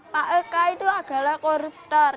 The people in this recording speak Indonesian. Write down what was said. pak eka itu adalah koruptor